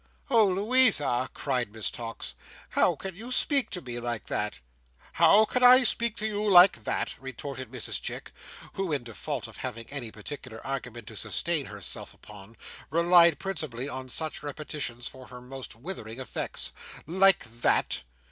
"Oh, Louisa!" cried Miss Tox. "How can you speak to me like that?" "How can I speak to you like that?" retorted Mrs Chick, who, in default of having any particular argument to sustain herself upon, relied principally on such repetitions for her most withering effects. "Like that!